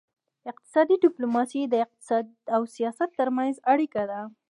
اقتصادي ډیپلوماسي د اقتصاد او سیاست ترمنځ اړیکه ده